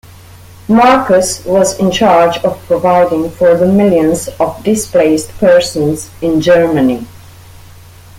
Marcus was in charge of providing for the millions of displaced persons in Germany.